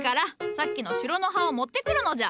さっきのシュロの葉を持ってくるのじゃ。